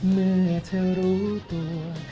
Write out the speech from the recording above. เมื่อเธอรู้ตัว